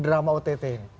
dalam proses drama ott